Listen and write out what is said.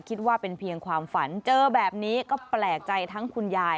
คิดว่าเป็นเพียงความฝันเจอแบบนี้ก็แปลกใจทั้งคุณยาย